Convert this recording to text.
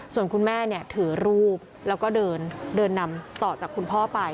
ส่วนคุณแม่ถือรูปแล้วก็เดินนำต่อจากคุณพ่อไป